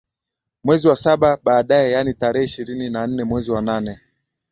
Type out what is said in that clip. mwezi wa saba baadaye yaani tarehe ishirini na nne mwezi wa nane